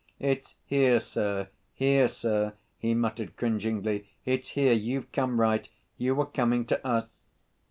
"It's here, sir, here, sir," he muttered cringingly; "it's here, you've come right, you were coming to us..."